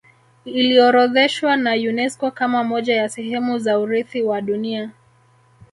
iliorodheshwa na unesco kama moja ya sehemu za urithi wa dunia